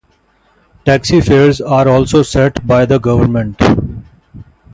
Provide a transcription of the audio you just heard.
Taxi fares are also set by the government.